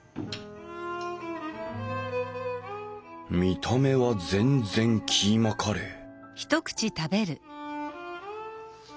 見た目は全然キーマカレー